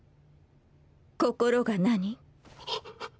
心が何？